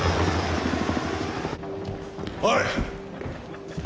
おい！